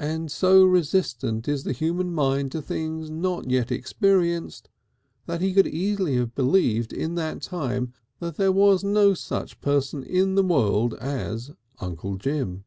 And so resistent is the human mind to things not yet experienced that he could easily have believed in that time that there was no such person in the world as Uncle Jim.